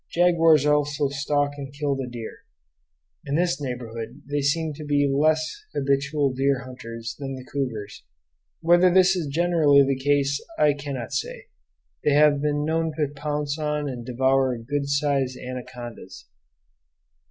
Jaguars also stalk and kill the deer; in this neighborhood they seemed to be less habitual deer hunters than the cougars; whether this is generally the case I cannot say. They have been known to pounce on and devour good sized anacondas.